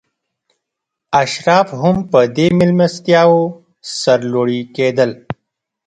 اشراف هم په دې مېلمستیاوو سرلوړي کېدل.